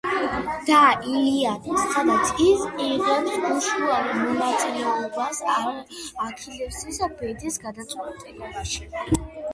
და ილიადა სადაც ის იღებს უშუალო მონაწილეობას აქილევსის ბედის გადაწყვეტაში.